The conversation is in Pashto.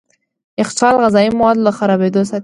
يخچال غذايي مواد له خرابېدو ساتي.